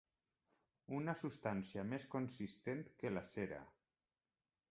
Una substància més consistent que la cera.